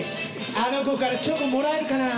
あの子からチョコもらえるかな？